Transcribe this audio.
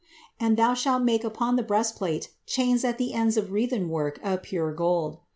And thou shalt make upon the breastplate chains at the ends of wreathen work of pure gold.